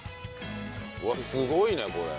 うわっすごいねこれ。